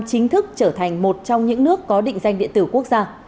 chính thức trở thành một trong những nước có định danh điện tử quốc gia